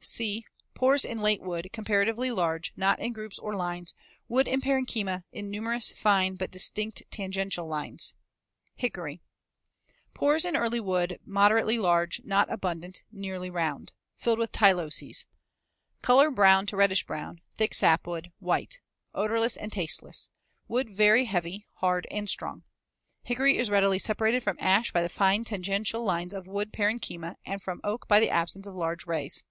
(c) Pores in late wood comparatively large, not in groups or lines. Wood parenchyma in numerous fine but distinct tangential lines. [Illustration: FIG. 150. Elm. (Magnified 25 times.)] Hickory, Fig. 149. Pores in early wood moderately large, not abundant, nearly round, filled with tyloses. Color brown to reddish brown; thick sapwood, white. Odorless and tasteless. Wood very heavy, hard, and strong. Hickory is readily separated from ash by the fine tangential lines of wood parenchyma and from oak by the absence of large rays.